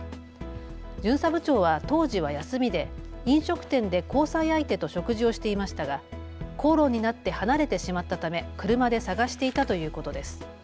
巡査部長は当時は休みで飲食店で交際相手と食事をしていましたが口論になって離れてしまったため車で探していたということです。